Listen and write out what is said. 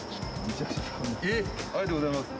ありがとうございます。